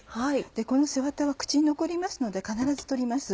この背ワタは口に残りますので必ず取ります。